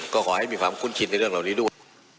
ก็ขอให้มีความคุ้นชินในเรื่องเหล่านี้ด้วย